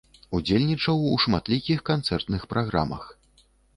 Удзельнічаў у шматлікіх канцэртных праграмах.